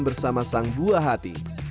bersama sang buah hati